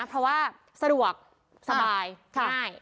เพราะว่าสะดวกสบายง่าย